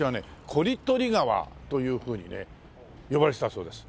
「こりとり川」というふうにね呼ばれてたそうです。